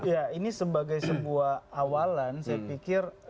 ya ini sebagai sebuah awalan saya pikir